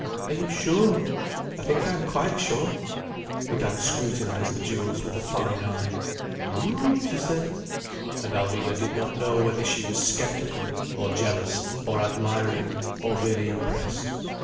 Are you sure—" "I think I'm quite sure." Madame scrutinized the jewels with a fine eye. "Hm!" she said. And Alvina did not know whether she was sceptical, or jealous, or admiring, or really impressed.